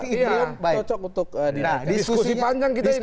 ini cocok untuk didatangkan